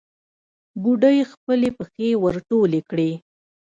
بوډۍ خپلې پښې ور ټولې کړې.